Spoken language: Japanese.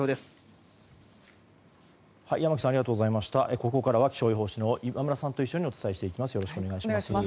ここからは気象予報士の今村さんとお伝えしていきます。